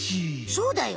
そうだよ！